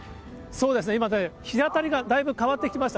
そうですね、日当たりがだいぶ変わってきました。